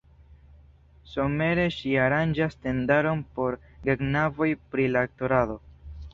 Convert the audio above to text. Somere ŝi aranĝas tendaron por geknaboj pri la aktorado.